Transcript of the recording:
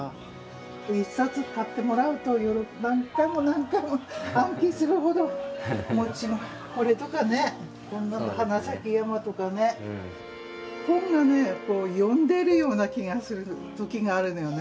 １冊買ってもらうと何回も何回も暗記するほどこれとかね「花さき山」とかね本がね呼んでるような気がする時があるのよね。